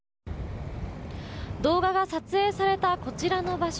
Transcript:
動画が撮影されたこちらの場所。